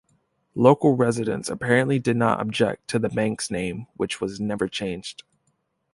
Local residents apparently did not object to the bank's name, which was never changed.